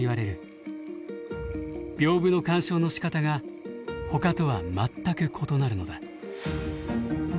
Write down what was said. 屏風の鑑賞のしかたがほかとは全く異なるのだ。